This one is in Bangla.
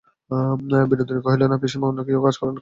বিনোদিনী কহিল, না, পিসিমা, অন্য কাজ আর কই।